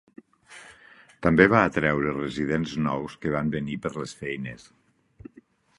També va atreure residents nous que van venir per les feines.